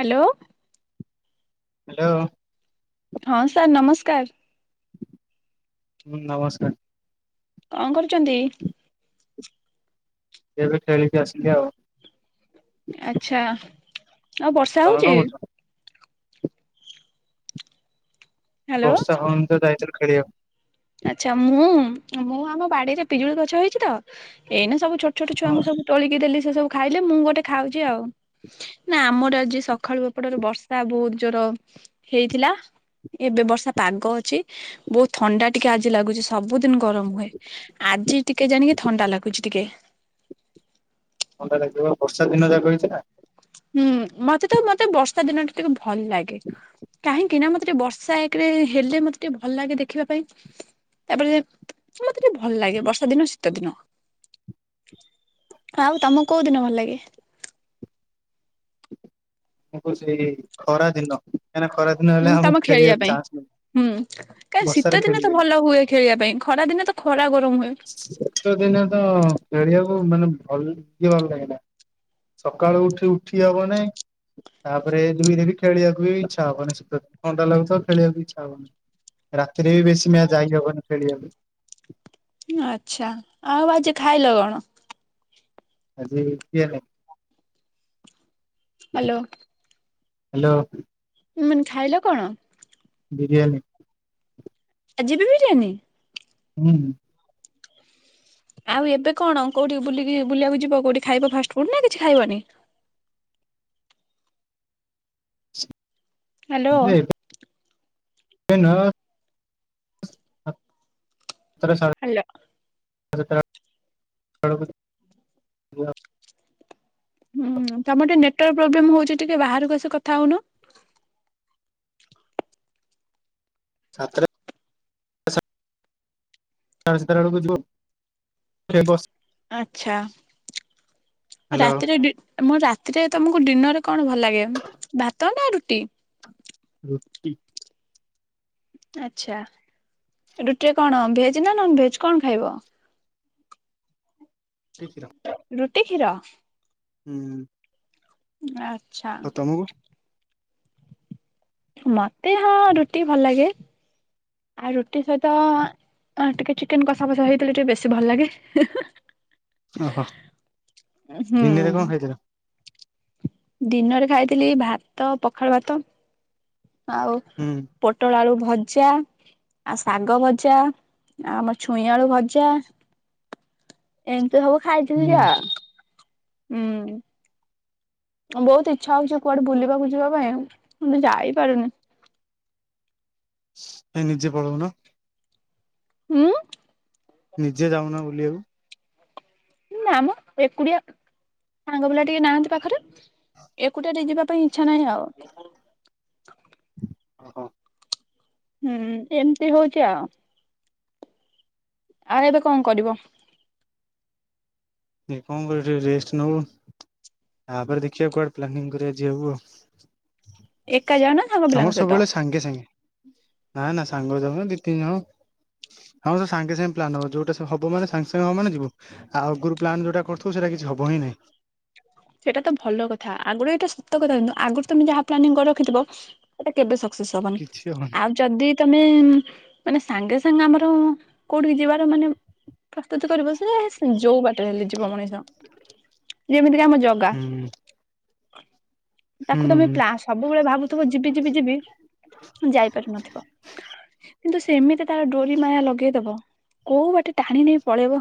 Hello. Hello. ହଁ sir ନମସ୍କାର। ହୁଁ ନମସ୍କାର। କଣ କରୁଛନ୍ତି? ଏବେ ଖେଳିକି ଆସିଲି ଆଉ। ଆଛା ଆଉ ବର୍ଷା ତମେ ହଉଚି? କଣ କରୁଛ? ହ୍ୟାଲୋ ବର୍ଷା ହଉନି ତ ଯାଇଥିଲୁ ଖେଳିବାକୁ। ଆଛା ମୁଁ ମୁଁ ଆମ ବାଡିରେ ପିଜୁଳି ଗଛ ହେଇଛି ତ ଏଇନା ସବୁ ଛୋଟ ଛୋଟ ହଁ ଛୁଆଙ୍କୁ ସବୁ ତୋଳି ଦେଲି ସେ ସବୁ ଖାଇଲେ ମୁଁ ଗୋଟେ ଖାଉଚି ଆଉ। ନା ଆମର ଆଜି ସକାଳୁ ଏପଟରେ ବର୍ଷା ବହୁତ ଜୋର ହେଇଥିଲା। ଏବେ ବର୍ଷା ପାଗ ଅଛି ବହୁତ ଥଣ୍ଡା ଟିକେ ଆଜି ଲାଗୁଛି ସବୁଦିନ ଗରମ ହୁଏ ଆଜି ଟିକେ ଜାଣିକି ଥଣ୍ଡା ଲାଗୁଛି ଟିକେ। ଥଣ୍ଡା ଲାଗିବ ବର୍ଷା ଦିନ ଯାକ ହେଇଚିନା। ହୁଁ ମତେ ତ ମତେ ବର୍ଷା ଦିନଟା ଟିକେ ଭଲ ଲାଗେ। କାହିଁକି ନା ମତେ ଟିକେ ବର୍ଷା ଏକରେ ହେଲେ ମତେ ଟିକେ ଭଲ ଲାଗେ ଦେଖିବା ପାଇଁ। ତାପରେ ମତେ ଟିକେ ଭଲ ଲାଗେ ବର୍ଷା ଦିନ ଶୀତ ଦିନ। ଆଉ ତମକୁ କୋଉ ଦିନ ଭଲ ଲାଗେ? ଆମକୁ ସେଇ ଖରା ଦିନ କାହିଁକି ଖରା ଦିନ ଉଁ ହେଲେ ତମ ଆମକୁ ଖେଳିବା ଖେଳିବାକୁ ପାଇଁ ଚାନ୍ସ ମିଳେ। ହୁଁ କାଇଁ ବର୍ଷାରେ ଶୀତ ଦିନେ ତ ଖେଳିବେନି ଭଲ ହୁଏ ଖେଳିବା ପାଇଁ ଖରା ଦିନେ ତ ଖରା ଗରମ ହୁଏ। ଶୀତ ଦିନେ ତ ଖେଳିବାକୁ ମାନେ ଭଲ କି ଭଲ ଲାଗିଲା। ସକାଳୁ ଉଠି ଉଠି ହବନାଇଁ। ତାପରେ ଦୁଇ ଦେ ବି ଖଳିବାକୁ ଇଛା ହବନି ଶତ ଥଣ୍ଡା ଲାଗୁଥିବ ଖେଳକୁ ଇଚ୍ଛା ହବନି। ରାତିରେ ବି ବେଶୀ ମ୍ୟାଚ ଯାଇ ହବନି ଖେଳିବାକୁ। ଆଛା ଆଉ ଆଜି ଖାଇଲ କଣ? ଆଜି। [unintelligible] ହ୍ୟାଲୋ। ହ୍ୟାଲୋ। ମାନେ ଖାଇଲ କଣ? ବିରିୟାନୀ। ଆଜିି ବି ବିରିୟାନୀ? ହୁଁ। ଆଉ ଏବେ କଣ କୋଉଠି ବୁଲି ବୁଲିବାକୁ ଯିବ କୋଉଠି ଖାଇବ ଫାଷ୍ଟଫୁଡ ନା କିଛି ଖାଇବନି? ହ୍ୟାଲୋ [unintelligible] ଏଥର ହାଲୋ। [unintelligible] ଯିବୁ ଆଉ। ହୁଁ ତମର ଟିକେ ନେଟୱାର୍କ ପ୍ରୋବ୍ଲେମ ହଉଛି ଟିକେ ବାହାରକୁ ଆସି କଥା ହଉନ। ଛାତ୍ର ଚ ସେତାରା ବେଳକୁ ଯିବ ବସ ଆଛା ହ୍ୟାଲୋ ରାତିରେ ଡି ମୁଁ ରାତିରେ ତମକୁ ଡିନରରେ କଣ ଭଲ ଲାଗେ ଭାତ ନା ରୁଟି? ରୁଟି। ଆଛା ରୁଟିରେ କଣ ଭେଜ ନା ନନ୍ ଭେଜ୍ କଣ ଖାଇବ? ଟି କ୍ଷୀର। ରୁଟି କ୍ଷୀର? ହୁଁ। ଆଛା। ଆଉ ତମକୁ ମତେ ହଁ ରୁଟି ଭଲ ଲାଗେ ଆଉ ରୁଟି ସହିତ ହଁ ଟିକେ ଚିକେନ କଷା ଫଷା ହେଇଥିଲେ ଟିକେ ବେଶୀ ଭଲ ଲାଗେ ହେଁ ହେଁ। ଓହୋ ଉଁ ହୁଁ। ଦିନରେ କଣ ଖାଇଥିଲ? ଦିନରେ ଖାଇଥିଲି ଭାତ ପଖାଳ ଭାତ ଆଉ ହୁଁ। ପୋଟଳ ଆଳୁ ଭଜା ଆଉ ଶାଗ ଭଜା ଆଉ ଆମର ଛୁଇଁ ଆଳୁ ଭଜା। ଏମିତି ସବୁ ହୁଁ ଖାଇଥିଲି ଆଉ ଉଁ। ବୋହୁତ ଇଚ୍ଛା ହୋଉଛି କୁଆଡେ ବୁଲିବାକୁ ଯିବା ପାଇଁ କିନ୍ତୁ ଯାଇପାରୁନି। କାଇଁ ନିଜେ ପଳଉନ। ମୁଁ? ନିଜେ ଯାଉନ ବୁଲିବାକୁ। ନା ମ ଏକୁଟିଆ ସାଙ୍ଗ ପିଲା ଟିକେ ନାହାନ୍ତି ପାଖରେ। ଏକୁଟାରେ ଯିବା ପାଇଁ ଇଚ୍ଛା ନାହିଁ ଆଉ। ଓହୋ। ହୁଁ ଏମିତି ହୋଉଚି ଆଉ। ଆଉ ଏବେ କଣ କରିବ? କଣ କରିବି ଟିକେ ରେଷ୍ଟ ନୋବୁ। ତାପରେ ଦେଖିବା କୁଆଡେ ପ୍ଲାନିଂ କରିବା ଯିବାକୁ ଆଉ। ଏକା ଯାଅ ନା ସାଙ୍ଗ ପିଲାଙ୍କ ଆମର ସହିତ? ସବୁବେଳେ ସାଙ୍ଗେ ସାଙ୍ଗେ। ନା ନା ସାଙ୍ଗ ଯାଉନା ଦିଇ ତିନି ଜଣ। ହଁ ଆମର ସାଙ୍ଗେ ସାଙ୍ଗେ ପ୍ଲାନ୍ ହବ ଯୋଉଟା ହବ ମାନେ ସାଙ୍ଗେ ସାଙ୍ଗେ ହବ ମାନେ ଯିବୁ ଆଗୁରୁ ପ୍ଲାନ୍ ଯୋଉଁଟା କରୁଥିବୁ ସେଟା କିଛି ହବ ହିଁ ନାହିଁ। ସେଇଟା ତ ଭଲ କଥା ଆଗରୁ ଏଇଟା ସତ କଥା କିନ୍ତୁ ଆଗରୁ ତମେ ଯାହା ପ୍ଲାନିଂ କରି ରଖିଥିବ ସେଟା କେବେ ସକ୍ସେସ୍ ହବନି କିଛି ହବନି ଆଗ ଯଦି ତମେ ମାନେ ସାଙ୍ଗେ ସାଙ୍ଗେ ଆମର କୋଉଠିିକି ଯିବାର ମାନେ ପ୍ରସ୍ତୁତି କରିବ ସେ ଯୋଉ ବାଟରେ ହେଲେ ଯିବ ମଣିଷ ଯେମିତିକି ଆମ ଜଗା। ହୁଁ। ତାକୁ ତମେ ହୁଁ ପ୍ଲା ସବୁବେଳେ ଭାବୁଥିବ ଯିବି ଯିବି ଯିବି ଯାଇପାରୁନଥିବ। କିନ୍ତୁ ସେ ଏମିତି ତାର ଡୋରି ମାୟା ଲଗେଇଦବ କୋଉ ବାଟେ ଟାଣି ନେଇ ପଳେଇବ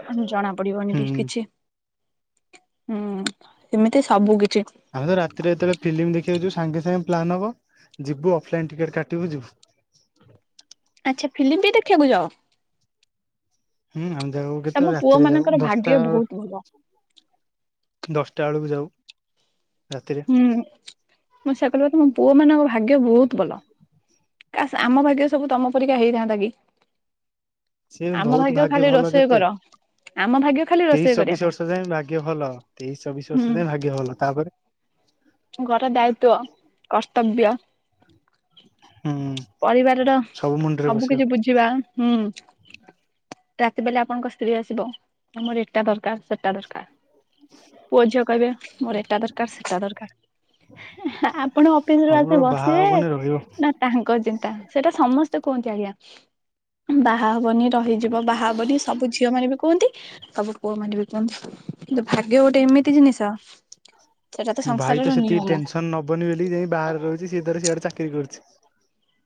ଜ ଜଣା ପଡିବନି ବି ହୁଁ କିଛି। ହୁଁ ଏମିତି ସବୁ କିଛି। ଆମେ ତ ରାତିରେ ଯେତେବେଳେ ଫିଲ୍ମ ଦେଖିବାକୁ ଯିବୁ ସାଙ୍ଗେ ସାଙ୍ଗେ ପ୍ଲାନ ହବ ଯିବୁ ଅଫଲାଇନ ଟିକେଟ୍ କାଟିବୁ ଯିବୁ। ଆଛା ଫିଲିମ୍ ବି ଦେଖିବାକୁ ଯାଅ? ହୁଁ ଆମେ ଯାଉ ତମ କେତେବେଳେ ପୁଅ ରାତିରେ ଯାଉ ମାନଙ୍କର ଦଶଟା ଭାଗ୍ୟ ବହୁତ ଭଲ। ଦଶଟା ବେଳକୁ ଯାଉ ରାତିରେ। ହୁଁ ମୁଁ ସେଇଆ କହିଲି ପା ତମ ପୁଅ ମାନଙ୍କ ଭାଗ୍ୟ ବୋହୁତ ଭଲ। କାସ୍ ଆମ ଭାଗ୍ୟ ସବୁ ତମ ପରିକା ହେଇଥାନ୍ତା କି? ସିଏ ଆମ ବୋହୁତ ଭାଗ୍ୟ ଖାଲି ଭଲ ରୋଷେଇ କେତେ କର ଆମ ଭାଗ୍ୟ ଖାଲି ତେଇଶି ରୋଷେଇ କରିବା ଚବିଶ ପାଇଁ ବର୍ଷ ଯାଏ ଭାଗ୍ୟ ଭଲ ତେଇଶି ଚବିଶ ବର୍ଷ ଯାଏ ହୁଁ ଭାଗ୍ୟ ଭଲ ତାପରେ ଘର ଦାୟିତ୍ଵ କର୍ତ୍ତବ୍ୟ ହଁ। ପରିବାରର ସବୁ କିଛି ବୁଝିବା ହୁଁ। ରାତି ବେଲେ ଆପଣଙ୍କ ସ୍ତ୍ରୀ ଆସିବ ଆମର ଏଟା ଦରକାର ସେଟା ଦରକାର। ପୁଅ ଝିଅ କହିବେ ମୋର ଏଟା ଦରକାର ସେଟା ଦରକାର। ଆପଣ ଅଫିସରୁ ଆସି ସବୁର ବାହା ବସିବେ ହବନି ରହିବ ନା ତାଙ୍କ ଚିନ୍ତା ସେଇଟା ସମସ୍ତେ କୁହନ୍ତି ଆଜ୍ଞା। ବାହା ହବନି ରହିଯିବ ବାହା ହବନି ସବୁ ଝିଅ ମାନେ ବି କୁହନ୍ତି ସବୁ ପୁଅ ମାନେ ବି କୁହନ୍ତୁ କିନ୍ତୁ ଭାଗ୍ୟ ଗୋଟେ ଏମିତି ଜିନିଷ ସେଟା ମୋ ଭାଇ ସଂସାରର ତ ସେତିି ନିୟମ ଟେନସନ ନବନି ବୋଲି ଯାଇ ବାହାରେ ରହୁଛି ସିଏ ତାର ସିଆଡେ ଚାକିରି କରୁଛି।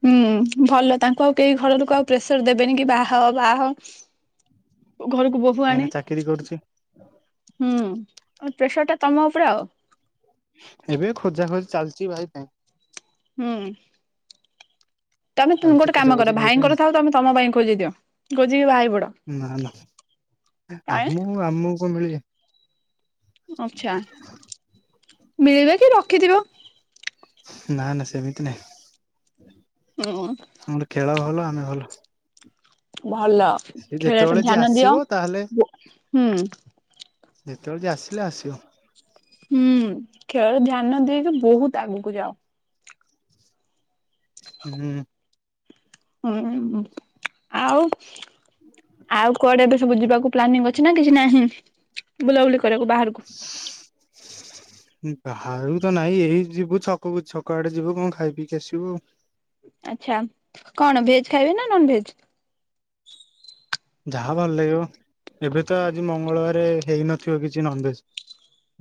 ହୁଁ ଭଲ ତାଙ୍କୁ ଆଉ କେହି ଘର ଲୋକ ଆଉ ପ୍ରେସର ଦେବେନି କି ବାହା ହ ବାହା ହ ଘରକୁ ବୋହୂ ଆଣେ? କାହିଁକିନା ଚାକିରି କରୁଛି ହୁଁ ପ୍ରେସରଟା ତମ ଉପରେ ଆଉ ଏବେ ଖୋଜାଖୋଜି ଚାଲିଛି ଭାଇ ପାଇଁ ହୁଁ। ତମେ ଚାଲିଛି ଗୋଟେ ଖୋଜା କାମ ଖୋଜି କର ଭାଇ ପାଇଁ ଭାଇଙ୍କର ଆଉ ଥାଉ ତମେ ତମ ପାଇଁ ଖୋଜି ଦିଅ ଖୋଜି ଦିଅ ଖୋଜିକି ବାହା ହେଇପଡ। ନା ନା ଆମୁ ଆମକୁ କଣ ମିଳିବେ? ଆଛା ମିଳେ କି ରଖିଥିବ? ନା ନା ସେମିତି ନାଇଁ। ହଁ। ଆମର ଖେଳ ଭଲ ଆମେ ଭଲ। ଭଲ ସେ ଖେଳରେ ଯେତେବେଳେ ଯିଏ ଧ୍ୟାନ ଆସିବ ଦିଅ ତାହେଲେ ହୁଁ। ଯେତେବେଳେ ଯିଏ ଆସିଲେ ଆସିବ? ହୁଁ ଖେଳରେ ଧ୍ୟାନ ଦେଇକି ବହୁତ ଆଗକୁ ଯାଅ। ହୁଁ। ହୁଁ ଆଉ ଆଉ କୁଆଡେ ଏବେ ସବୁ ଯିବାକୁ ପ୍ଲାନିଂ ଅଛି ନା କିଛି ନାହିଁ ବୁଲାବୁଲି କରିବାକୁ ବାହାରକୁ? ବାହାରୁ ତ ନାଇଁ ଏଇ ଯିବୁ ଛକ ବ ଛକ ଆଡେ ଯିବୁ କଣ ଖାଇ ପିକି ଆସିବୁ ଆଉ? ଆଚ୍ଛା କଣ ଭେଜ୍ ଖାଇବେ ନା ନନ ଭେଜ୍? ଯାହା ଭଲ ଲାଗିବ ଏବେ ତ ଆଜି ମଙ୍ଗଳବାର ହେଇନଥିବ କିଛି ନନଭେଜ।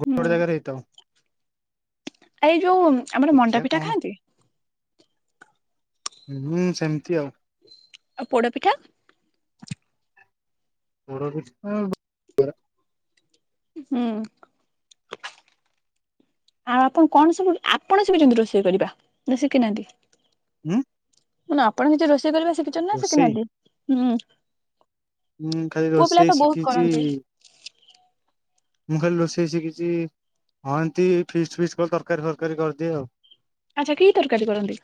ଗୋଟେ ଗୋଟେ ହୁଁ ଜାଗାରେ ହେଇଥାଉ। ଏଇ ଯୋଉ ଆମର ଦେଖିବା ମଣ୍ଡାପିଠା କଣ ଖାଆନ୍ତି? ହୁଁ ସେମତି ଆଉ ଆଉ ପୋଡ଼ପିଠା। ପୋଡପିଠା- ହୁଁ। ଆଉ ଆପଣ କଣ ସବୁ ଆପଣ ଶିଖିଛନ୍ତି ରୋଷେଇ କରିବା ନା ଶିଖିନାହାନ୍ତି? ଉଁ ମାନେ ଆପଣ କିଛି ରୋଷେଇ କରିବା ଶିଖିଛନ୍ତି ନା ରୋଷେଇ ଶିଖିନାହାନ୍ତି ହୁଁ? ହଁ ଖାଲି ପୁଅ ପିଲା ତ ରୋଷେଇ ବହୁତ ଶିଖିଛି। କରନ୍ତି ମୁଁ ଖାଲି ରୋଷେଇ ଶିଖିଛି ହଁ ଏମତି ଫିଷ୍ଟ ଫିସ୍ କଲେ ତରକାରୀ ଫରକାରୀ କରିଦିଏ ଆଉ ଆଚ୍ଛା କି ତରକାରୀ କରନ୍ତି?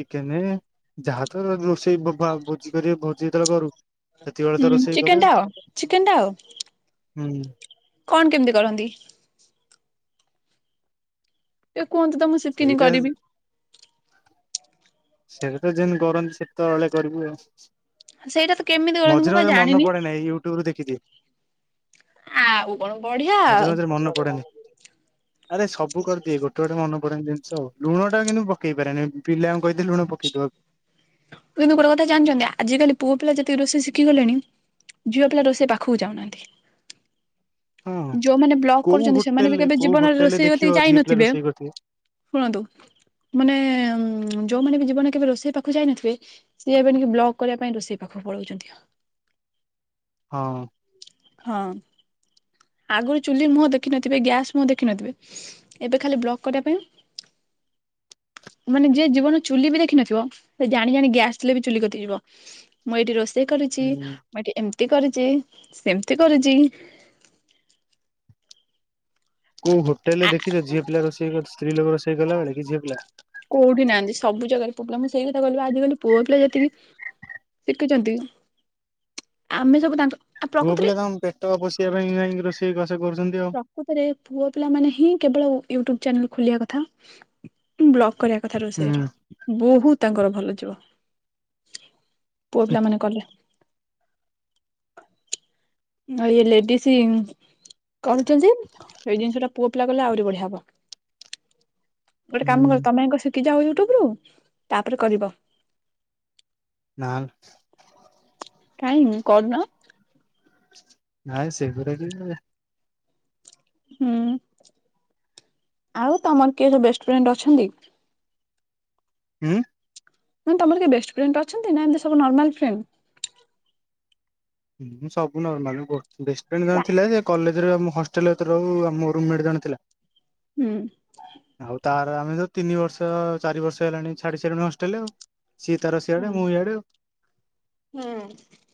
ଚିକେନ ଯାହା ତ ରୋଷେଇ ଭୋଜି କରି ଭୋଜି ଯେତେବେଳେ କରୁ? ସେତିକିବେଳେ ହଁ ତ ରୋଷେଇ କରେ ଚିକେନ ଆଉ। ଟା ଓ ଚିକେନ ଟା ଓ ହୁଁ। କଣ କେମିତି କରନ୍ତି? ଏ କୁହନ୍ତୁ ତ ମୁଁ ଶିଖିନି ସେଇଟା କରିବି? ସେଇଟାତ ଯେମିତି କରନ୍ତି ସେଠ ତଳେ କରିବି ଆଉ ସେଇଟା ତ କେମିତି ମଝିରେ କରନ୍ତି ମୁଁ ବା ମଝିରେ ମନେ ଜାଣିନି ପଡେ ନାହିଁ ୟୁଟ୍ୟୁବରୁ ଦେଖିଦିଏ। ଆଉ କଣ ବଢିଆ ଆଉ। ମଝିରେ ମଝିରେ ମନେ ପଡେନି ଯୋଉଠି ମନେ ପଡ଼େନି ଜିନିଷ ଆଉ। ଲୁଣଟା କିନ୍ତୁ ପକାଇ ପାରେନି, ପିଲାଙ୍କୁ କହି ଦିଏ ଲୁଣ ପକେଇ ଦବାକୁ। କିନ୍ତୁ ଗୋଟେ କଥା ଜାଣିଛନ୍ତି, ଆଜିକାଲି ପୁଅପିଲା ଯେତିକି ରୋଷେଇ ଶିଖିଗଲେଣି ଝିଅପିଲା ରୋଷେଇ ପାଖକୁ ଯାଉନାହାଁନ୍ତି। ହଁ ଯୋଉମାନେ ବ୍ଲଗ୍ କୋଉ କରୁଛନ୍ତି, ସେମାନେ ବି ହୋଟେଲରେ କେବେ କୋଉ ଜୀବନରେ ହୋଟେଲରେ ରୋଷେଇ ଦେଖିବ କତିକି ଝିଅ ପିଲା ଯାଇନଥିବେ, ରୋଷେଇ କରିଥିବେ ଶୁଣନ୍ତୁ ମାନେ ଉମ୍ ଯୋଉମାନେ ବି ଜୀବନରେ କେବେ ରୋଷେଇ ପାଖକୁ ଯାଇନଥିବେ ସିଏ ଏବେ ଟିକେ ବ୍ଲଗ୍ କରିବା ପାଇଁ ରୋଷେଇ ପାଖକୁ ପଳଉଛନ୍ତି। ହଁ। ହଁ। ଆଗୁରୁ ଚୁଲି ମୁହଁ ଦେଖିନଥିବେ, ଗ୍ୟାସ୍ ମୁହଁ ଦେଖିନଥିବେ ଏବେ ଖାଲି ବ୍ଲଗ୍ କରିବା ପାଇଁ ମାନେ ଯିଏ ଜୀବନରେ ଚୁଲି ବି ଦେଖିନଥିବ, ସେ ଜାଣି ଜାଣି ଗ୍ୟାସ୍ ଥିଲେ ବି ଚୁଲି କତିକି ଯିବ। ମୁଁ ଏଇଠି ରୋଷେଇ କରୁଛି, ହୁଁ ମୁଁ ଏଇଠି ଏମତି କରିଛି, ସେମତି କରୁଛି କୋଉ ହୋଟଲରେ ଆ ଦେଖିଛ ଝିଅପିଲା ରୋଷେଇ କରି ସ୍ତ୍ରୀ ଲୋକ ରୋଷେଇ କଲାବେଳେ କି ଝିଅପିଲା? କୋଉଠି ନାହାଁନ୍ତି, ସବୁ ଜାଗାରେ ପୁଅପିଲା। ମୁଁ ସେଇ କଥା କହିଲି ବା, ଆଜିକାଲି ପୁଅପିଲା ଯେତିକି ଶିକିଚନ୍ତି, ଆମେ ସବୁ ତାଙ୍କ ଆ ପ୍ରକୃତରେ ପୁଅପିଲା ତମ ପେଟ ପୋଷିବା ପାଇଁ କାଇଁକି ରୋଷେଇବାସ କରୁଛନ୍ତି ଆଉ। ପୁଅପିଲା ମାନେ ହିଁ କେବଳ ୟୁଟ୍ୟୁବ ଚ୍ୟାନେଲ୍ ଖୋଲିବା କଥା କରିବା କଥା ହୁଁ ରୋଷେଇର, ବହୁତ ତାଙ୍କର ଭଲ ଯିବ। ପୁଅପିଲାମାନେ କଲେ, ଆ ଇଏ ଲେଡିସ୍ କରୁଛନ୍ତି, ଏଇ ଜିନିଷଟା ପୁଅପିଲା କଲେ ଆହୁରି ବଢିଆ ହବ। ଗୋଟେ କାମ ହୁଁ କର ତମେ ଆଗ ଶିଖିଯାଅ ୟୁଟ୍ୟୁବରୁ, ତାପରେ କରିବ। ନା କାଇଁକି କରୁନ? ନାଇଁ ସେଗୁରା କିଏ କରିବ। ହୁଁ। ଆଉ ତମର କିଏ ସବୁ ବେଷ୍ଟଫ୍ରେଣ୍ଡ ଅଛନ୍ତି? ଉଁ? ମାନେ ତମର କିଏ ବେଷ୍ଟଫ୍ରେଣ୍ଡ ଅଛନ୍ତି ନା, ଏମତି ସବୁ ନର୍ମାଲ୍ ଫ୍ରେଣ୍ଡ? ହଁ ସବୁ ନର୍ମାଲ। ଗୋ ବେଷ୍ଟଫ୍ରେଣ୍ଡ ନା ଜଣେ ଥିଲା ଯେ, କଲେଜ୍ ଜରେ ଆମ ହଷ୍ଟେଲରେ ଯେତେ ରହୁ ଆମ ରୁମମେଟ୍ ଜଣେ ଥିଲା। ହୁଁ। ଆଉ ତାର ଆମେ ଯୋଉ ତିନି ବର୍ଷ, ଚାରି ବର୍ଷ ହେଲାଣି ଛାଡି ସାରିଲୁଣି ହଷ୍ଟେଲ ଆଉ। ସିଏ ତାର ସିଆଡେ, ମୁଁ ଇଆଡେ ଆଉ। ହୁଁ।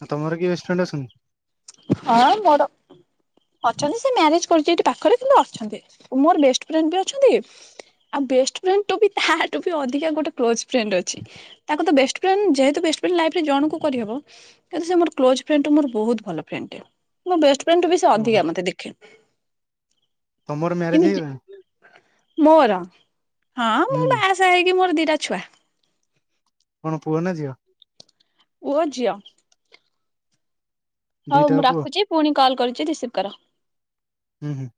ଆଉ ତମର କିଏ ବେଷ୍ଟଫ୍ରେଣ୍ଡ ଅଛନ୍ତି? ହଁ ମୋର ଅଛନ୍ତି, ସେ ମ୍ୟାରେଜ କରିଛି ଏଇଠି ପାଖରେ କିନ୍ତୁ ଅଛନ୍ତି। ମୋର ବେଷ୍ଟଫ୍ରେଣ୍ଡ ବି ଅଛନ୍ତି ଆଉ ବେଷ୍ଟଫ୍ରେଣ୍ଡଠୁ ତାଠୁ ବି ଅଧିକା ଗୋଟେ କ୍ଲୋଜ ଫ୍ରେଣ୍ଡ ଅଛି। ତାକୁ ତ ବେଷ୍ଟଫ୍ରେଣ୍ଡ, ଯେହେତୁ ବେଷ୍ଟଫ୍ରେଣ୍ଡ ଲାଇଫରେ ଜଣକୁ କରିହବ କିନ୍ତୁ ସେ ମୋର କ୍ଲୋଜଫ୍ରେଣ୍ଡଠୁ ମୋର ବହୁତ ଭଲ ଫ୍ରେଣ୍ଡଟେ। ମୋ ବେଷ୍ଟଫ୍ରେଣ୍ଡଠୁ ବି ସେ ଓହୋ ଅଧିକା ମତେ ଦେଖେ। ତମର ମ୍ୟାରେଜ କିନ୍ତୁ ଯି ହେଇଗଲାଣି ମୋର, ହଁ ହୁଁ। ମୁଁ ବାହାସାହା ହେଇକି ମୋର ଦିଟା ଛୁଆ। କଣ ପୁଅ ନା ଝିଅ? ପୁଅ, ଝିଅ। ହଉ ଦିଟା ମୁଁ ପୁଅ ରଖୁଛି, ପୁଣି କଲ୍ କରୁଛି ରିସିଭ୍ କର। ହୁଁ ହୁଁ।